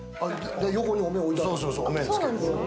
横にお面置いてある。